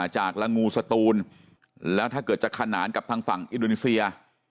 จากละงูสตูนแล้วถ้าเกิดจะขนานกับทางฝั่งอินโดนีเซีย